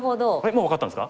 もう分かったんですか？